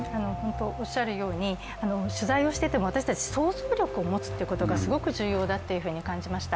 おっしゃるように取材をしていても私たち、想像力を持つということがすごく重要だと感じました。